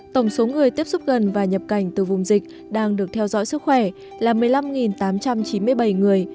tổng số người tiếp xúc gần và nhập cảnh từ vùng dịch đang được theo dõi sức khỏe là một mươi năm tám trăm chín mươi bảy người